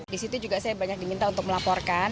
di situ juga saya banyak diminta untuk melaporkan